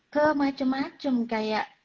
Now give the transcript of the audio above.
ke macem macem kayak